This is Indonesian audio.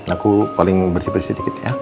aku paling bersih sedikit ya